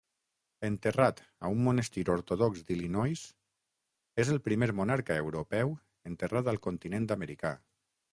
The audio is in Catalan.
Enterrat a un monestir ortodox d'Illinois, és el primer monarca europeu enterrat al continent americà.